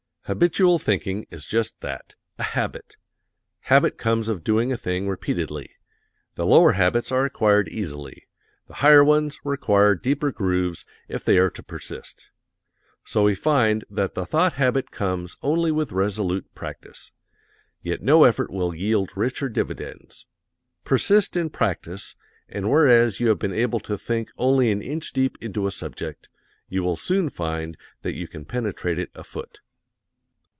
Habitual thinking is just that a habit. Habit comes of doing a thing repeatedly. The lower habits are acquired easily, the higher ones require deeper grooves if they are to persist. So we find that the thought habit comes only with resolute practise; yet no effort will yield richer dividends. Persist in practise, and whereas you have been able to think only an inch deep into a subject, you will soon find that you can penetrate it a foot.